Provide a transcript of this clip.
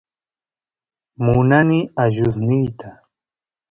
munani allusniyta